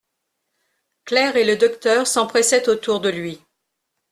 Claire et le docteur s'empressaient autour de lui.